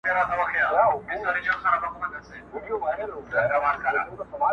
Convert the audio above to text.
چې په فکري، سياسي